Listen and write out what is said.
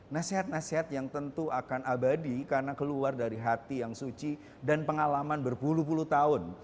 nasihat nasihat yang tentu akan abadi karena keluar dari hati yang suci dan pengalaman berpuluh puluh tahun